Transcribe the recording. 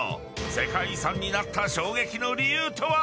世界遺産になった衝撃の理由とは。